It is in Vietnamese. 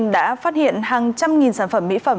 đã phát hiện hàng trăm nghìn sản phẩm mỹ phẩm